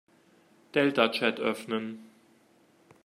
Deltachat öffnen.